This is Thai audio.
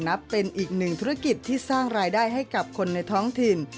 นับเป็นอีกหนึ่งธุรกิจที่สร้างรายได้ให้กับคนในท้องถิ่น